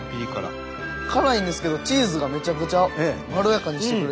辛いんですけどチーズがめちゃくちゃまろやかにしてくれてます。